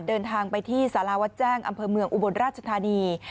เดินทางไปที่สาราวัดแจ้งอำเภอเมืองอุบลราชธานี